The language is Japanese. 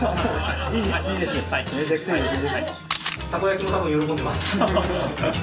たこ焼きも多分喜んでます。